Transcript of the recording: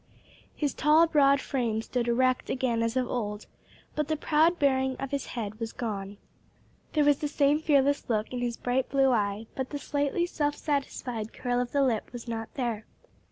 His tall, broad frame stood erect again as of old, but the proud bearing of the head was gone. There was the same fearless look in his bright blue eye, but the slightly self satisfied curl of the lip was not there.